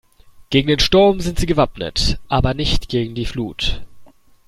Gegen den Sturm sind sie gewappnet, aber nicht gegen die Flut.